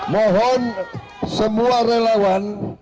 mohon semua relawan